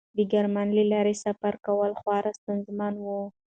د کرمان له لارې سفر کول خورا ستونزمن و.